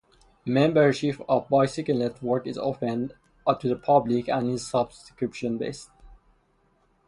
Membership of Bicycle Network is open to the public and is subscription-based.